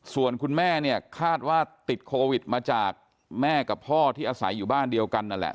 ส่วนคุณแม่เนี่ยคาดว่าติดโควิดมาจากแม่กับพ่อที่อาศัยอยู่บ้านเดียวกันนั่นแหละ